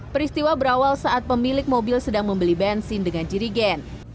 peristiwa berawal saat pemilik mobil sedang membeli bensin dengan jirigen